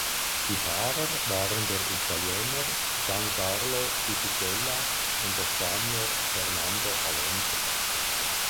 Die Fahrer waren der Italiener Giancarlo Fisichella und der Spanier Fernando Alonso.